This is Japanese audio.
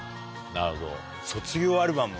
なるほど。